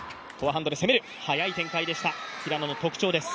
速い展開でした、平野の特徴です。